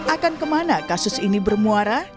akan kemana kasus ini bermuara